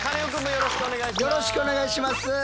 よろしくお願いします。